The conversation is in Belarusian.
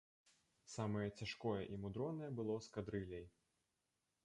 Самае цяжкое і мудронае было з кадрыляй.